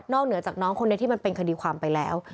เหนือจากน้องคนนี้ที่มันเป็นคดีความไปแล้ว